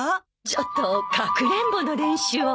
ちょっとかくれんぼの練習を。